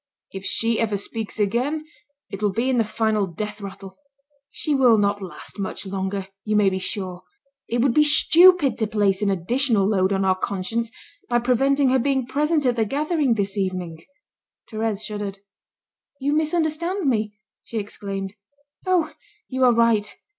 If she ever speaks again it will be in the final death rattle. She will not last much longer, you may be sure. It would be stupid to place an additional load on our conscience by preventing her being present at the gathering this evening." Thérèse shuddered. "You misunderstand me," she exclaimed. "Oh! You are right.